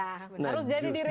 harus jadi diri sendiri